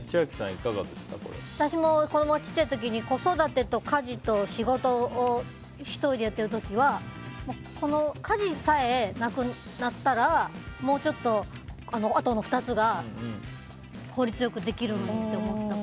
私も子供が小さい時に子育てと家事と仕事を１人でやってる時はこの家事さえなくなったらもうちょっと、あとの２つが効率良くできるって思った。